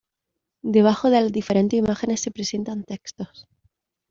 Debajo de las diferentes imágenes se presentan textos.